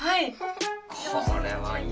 はい。